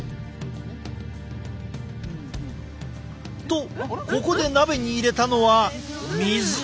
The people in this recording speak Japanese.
とここで鍋に入れたのは水。